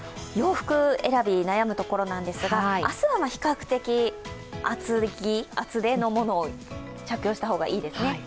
洋服選び、悩むところなんですが明日は比較的厚手のものを着用した方がいいですね。